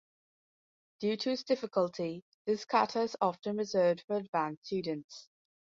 Due to its difficulty, this kata is often reserved for advanced students.